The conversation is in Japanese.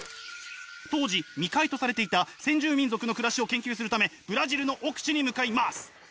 当時未開とされていた先住民族の暮らしを研究するためブラジルの奥地に向かいます！